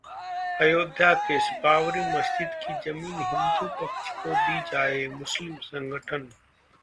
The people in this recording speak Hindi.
अयोध्या केस: बाबरी मस्जिद की जमीन हिंदू पक्ष को दी जाए- मुस्लिम संगठन